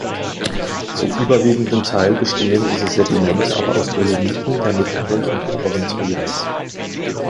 Zum überwiegenden Teil bestehen diese Sedimente aber aus Dolomiten der mittleren und oberen Trias.